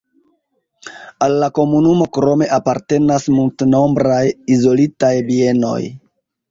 Al la komunumo krome apartenas multnombraj izolitaj bienoj.